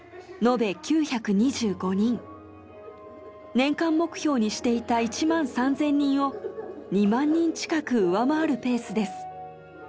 年間目標にしていた１万３０００人を２万人近く上回るペースです。